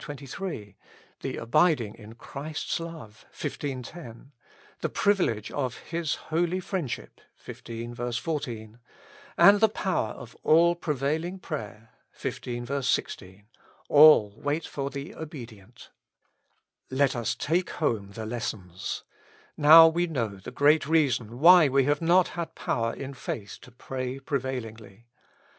23), the abiding in Christ's love (xv. 10), the privilege of His holy friendship (xv, 14), and the power of all prevailing prayer (xv. 16), — all wait for the obedient. Let us take home the lessons. Now we know the great reason why we have not had power in faith to pray prevailingly.